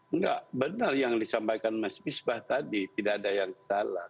enggak benar yang disampaikan mas bisbah tadi tidak ada yang salah